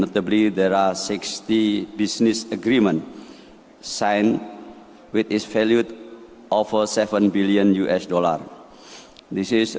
ada enam puluh persetujuan bisnis yang dihukum dengan nilai lebih dari tujuh miliar dolar as